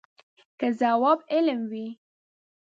که ځواب علم وي.